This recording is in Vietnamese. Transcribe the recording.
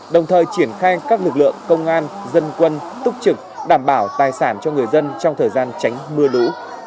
đồng thời triển khai các lực lượng công an dân quân túc trực đảm bảo tài sản cho người dân trong thời gian tránh mưa lũ